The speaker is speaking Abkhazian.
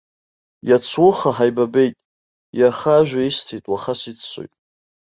Иацуха ҳаибабеит, иаха ажәа исҭеит, уаха сиццоит!